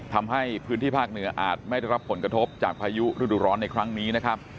ทำให้พื้นที่ภาคเหนืออาจไม่ได้รับผลกระทบจากพายุฤดูร้อนในครั้งนี้นะครับ